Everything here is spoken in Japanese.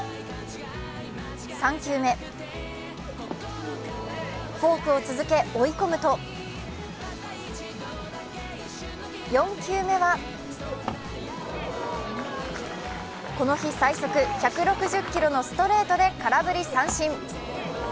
３球目、フォークを続け追い込むと４球目はこの日最速１６０キロのストレートで空振り三振。